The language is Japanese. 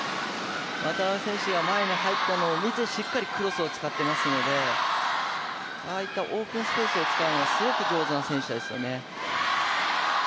渡辺選手が前に入ったのを見てしっかりクロスを使っていますので、ああいったオープンスペースを使うのはすごく上手な選手ですよね。